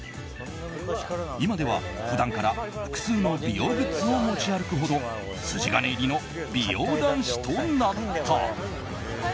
今では普段から複数の美容グッズを持ち歩くほど筋金入りの美容男子となった。